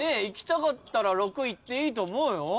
いきたかったら６いっていいと思うよ。